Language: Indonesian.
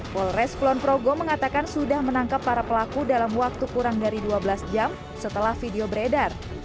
polres kulonprogo mengatakan sudah menangkap para pelaku dalam waktu kurang dari dua belas jam setelah video beredar